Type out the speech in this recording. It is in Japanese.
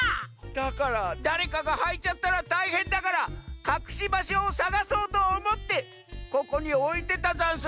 だからだれかがはいちゃったらたいへんだからかくしばしょをさがそうとおもってここにおいてたざんす。